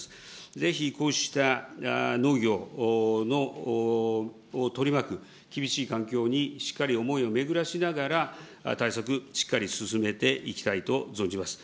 ぜひ、こうした農業を取り巻く厳しい環境にしっかり思いを巡らせながら、対策、しっかり進めていきたいと存じます。